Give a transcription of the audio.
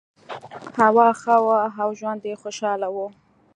هوا ښه وه او ژوند یې خوشحاله و.